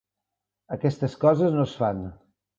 Aquestes coses no es fan.